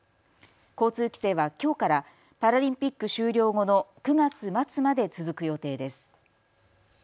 交通規制はきょうからパラリンピック終了後の９月末まで続く予定です。